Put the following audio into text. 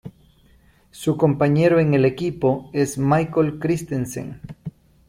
Su compañero en el equipo es Michael Christensen.